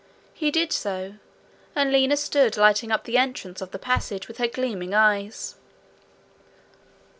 He did so, and Lina stood lighting up the entrance of the passage with her gleaming eyes.